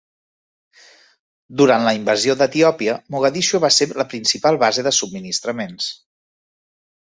Durant la invasió d'Etiòpia, Mogadiscio va ser la principal base de subministraments.